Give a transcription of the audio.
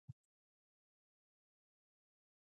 او د ژوند د غېر فطري طرز عمل نه پېدا کيږي